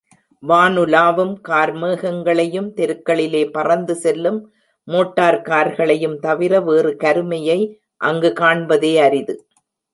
வானுலாவும் கார்மேகங்களையும், தெருக்களிலே பறந்து செல்லும் மோட்டார் கார்களையும் தவிர வேறு கருமையை அங்கு காண்பதே அரிது.